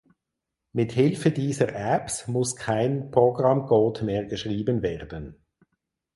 Mit Hilfe dieser Apps muss kein Programmcode mehr geschrieben werden.